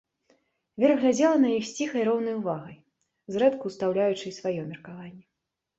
Вера глядзела на іх з ціхай роўнай увагай, зрэдку ўстаўляючы і сваё меркаванне.